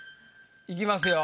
いきますよ。